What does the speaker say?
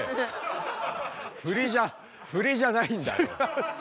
フリじゃフリじゃないんだよ。